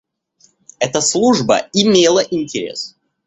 Эта служба имела интерес.